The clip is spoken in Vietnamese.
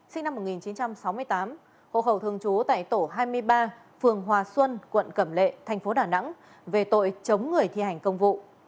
sinh năm một nghìn chín trăm sáu mươi tám hộ khẩu thường trú tại tổ hai mươi ba phường hòa xuân quận cẩm lệ thành phố đà nẵng về tội chống người thi hành công vụ